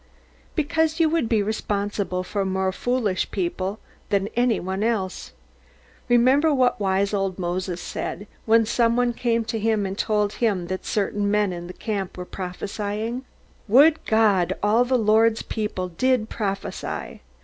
Because you would be responsible for more foolish people than any one else. Remember what wise old Moses said, when some one came and told him that certain men in the camp were prophesying "Would God all the Lord's people did prophesy!"